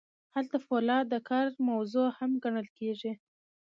هلته فولاد د کار موضوع هم ګڼل کیږي.